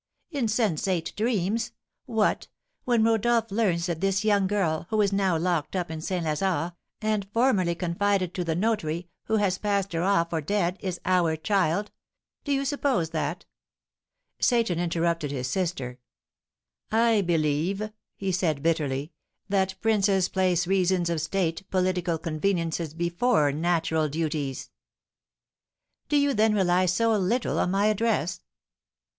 "Insensate dreams! What, when Rodolph learns that this young girl, who is now locked up in St. Lazare, and formerly confided to the notary, who has passed her off for dead, is our child! Do you suppose that " Seyton interrupted his sister. "I believe," he said, bitterly, "that princes place reasons of state, political conveniences, before natural duties." "Do you then rely so little on my address?"